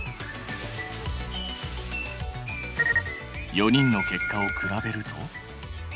４人の結果を比べると。